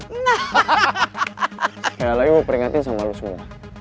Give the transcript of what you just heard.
sekali lagi mau peringatin sama lo semua